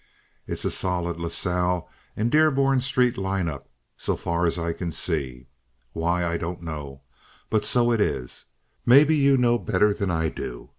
It's a solid La Salle and Dearborn Street line up, so far as I can see. Why, I don't know. But so it is. Maybe you know better than I do.